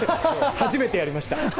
初めてやりました。